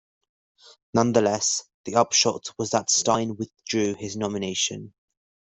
Nonetheless, the upshot was that Stein withdrew his nomination.